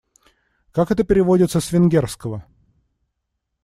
Как это переводится с венгерского?